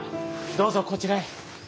どうぞこちらへ。